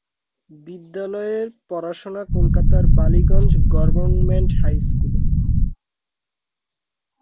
বিদ্যালয়ের পড়াশোনা কলকাতার বালিগঞ্জ গভর্নমেন্ট হাই স্কুলে।